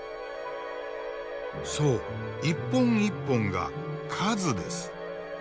そう一本一本が「数」です。